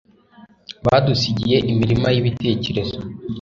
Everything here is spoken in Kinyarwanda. badusigiye imirima yibitekerezo